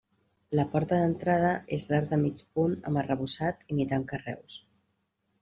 La porta d'entrada és d'arc de mig punt amb arrebossat imitant carreus.